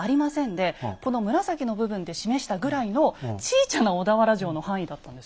でこの紫の部分で示したぐらいのちいちゃな小田原城の範囲だったんですよ。